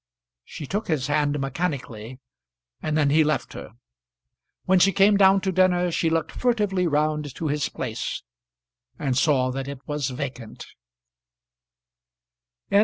She took his hand mechanically, and then he left her. When she came down to dinner she looked furtively round to his place and saw that it was vacant.